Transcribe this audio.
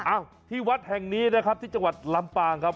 อ้าวที่วัดแห่งนี้นะครับที่จังหวัดลำปางครับ